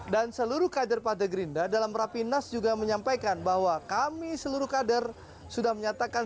dan seluruh kader pak the gerindra dalam rapimnas juga menyampaikan bahwa kami seluruh kader sudah menyatakan